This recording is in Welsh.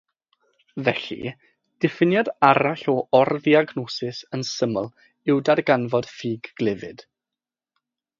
Felly, diffiniad arall o or-ddiagnosis yn syml yw darganfod ffug-glefyd.